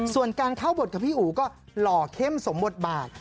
ส่วนการเข้าบทของพี่อู๋ก็หล่อเข้มสมบทบาท